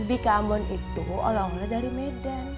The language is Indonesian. bika ambon itu oleh oleh dari medan